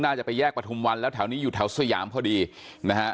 น่าจะไปแยกประทุมวันแล้วแถวนี้อยู่แถวสยามพอดีนะฮะ